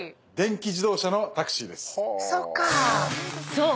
［そう！